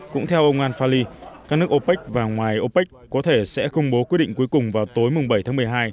cũng theo ông al fali các nước opec và ngoài opec có thể sẽ công bố quyết định cuối cùng vào tối bảy tháng một mươi hai